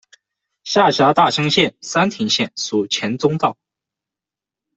下辖大乡县、三亭县，属黔中道。